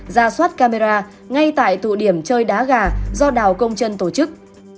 ra soát camera ngay tại tụ điểm chơi đá gà do đào công trân tổ chức